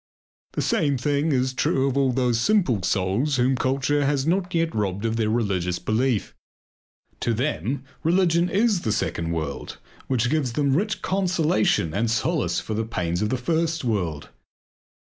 The same thing is true of all those simple souls whom culture has not robbed of their religious belief. To them religion is the second world which gives them rich consolation and solace for the pains of the first world.